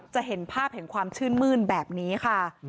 จะเห็นภาพแห่งความชื่นมื้นแบบนี้ค่ะ